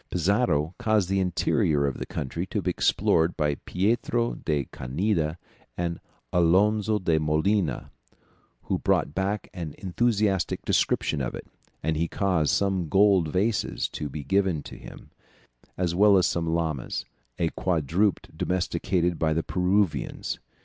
Pizarro caused the interior of the country to be explored by Pietro de Candia and Alonzo de Molina, who brought back an enthusiastic description of it, and he caused some gold vases to be given up to him, as well as some llamas, a quadruped domesticated by the Peruvians.